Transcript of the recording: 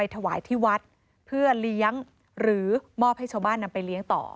ถวายที่วัดเพื่อเลี้ยงหรือมอบให้ชาวบ้านนำไปเลี้ยงต่อ